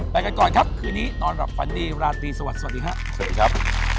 ไปกันก่อนครับคืนนี้นอนรับฟันนี้ราตีสวัสดีครับ